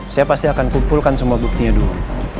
saya pasti akan kumpulkan semua buktinya dulu